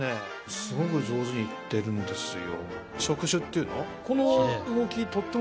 すごく上手にいってるんですよ。